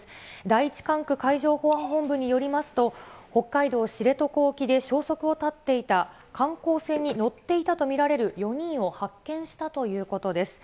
第１管区海上保安本部によりますと、北海道知床沖で消息を絶っていた観光船に乗っていたと見られる４人を発見したということです。